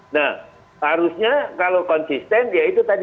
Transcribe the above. nah harusnya kalau konsisten ya itu tadi